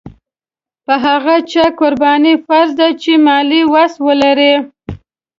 په هغه چا قرباني فرض ده چې مالي وس ولري.